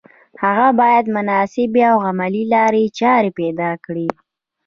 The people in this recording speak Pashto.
هغه باید مناسبې او عملي لارې چارې پیدا کړي